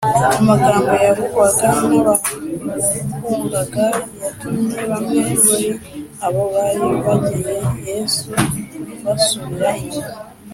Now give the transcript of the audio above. amagambo yavugwaga n’abahungaga yatumye bamwe muri abo bari bagiye yesu basubira inyuma